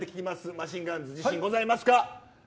マシンガンズ自信ございますか。